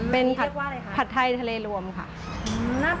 เป็นพัดไทยทะเลรวมค่ะเป็นเรียกว่าอะไรคะ